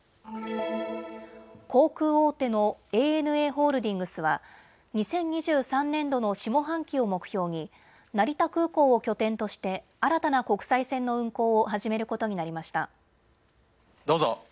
航空大手のＡＮＡホールディングスは２０２３年度の下半期を目標に成田空港を拠点として新たな国際線の運航を始めることになりました。